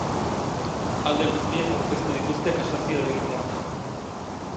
Alde guztiek aurkeztu dituzte kasazio helegiteak.